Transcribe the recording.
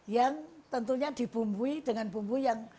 yang tentunya dibumbui dengan bumbu yang